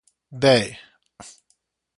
尾